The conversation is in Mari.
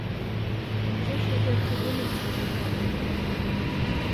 Почешыже кужун эскерен шогылто.